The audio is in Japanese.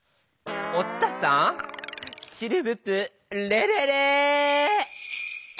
お伝さんシルブプレレレー！